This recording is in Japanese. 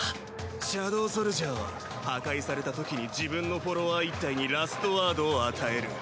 シャドウソルジャーは破壊されたときに自分のフォロワー１体にラストワードを与える。